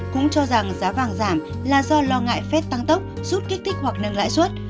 cũng cho rằng giá vàng giảm là do lo ngại phép tăng tốc rút kích thích hoặc nâng lãi suất